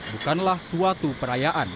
bukanlah suatu perkembangan